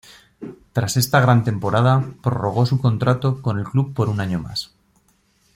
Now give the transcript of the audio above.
Tras esta gran temporada, prorrogó su contrato con el club por un año más.